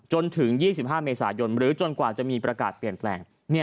จนถึง๒๕เมษายนหรือจนกว่าจะมีประกาศเปลี่ยนแปลง